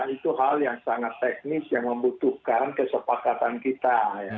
itu hal yang sangat teknis yang membutuhkan kesepakatan kita